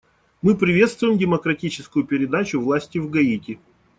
Мы приветствуем демократическую передачу власти в Гаити.